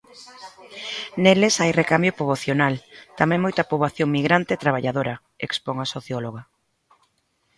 Neles hai recambio poboacional, tamén moita poboación migrante e traballadora, expón a socióloga.